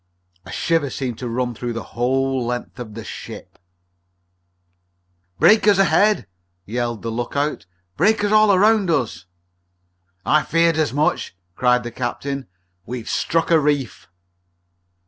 A shiver seemed to run through the whole length of the ship. "Breakers ahead!" yelled the lookout. "Breakers all around us!" "I feared as much!" cried the captain. "We've struck on a reef!"